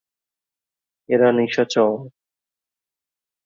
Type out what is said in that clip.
এরা নিশাচর।